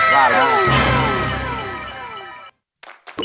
ว่าแล้ว